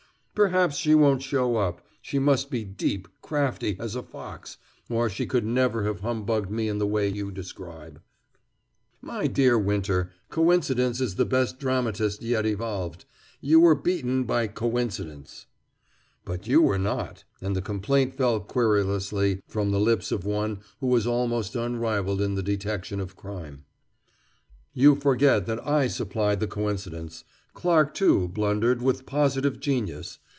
"Perhaps she won't show up. She must be deep, crafty as a fox, or she could never have humbugged me in the way you describe." "My dear Winter, coincidence is the best dramatist yet evolved. You were beaten by coincidence." "But you were not," and the complaint fell querulously from the lips of one who was almost unrivaled in the detection of crime. "You forget that I supplied the coincidence. Clarke, too, blundered with positive genius.